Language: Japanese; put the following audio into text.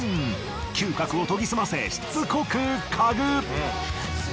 嗅覚を研ぎ澄ませしつこくかぐ。